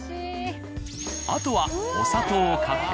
あとはお砂糖をかけ。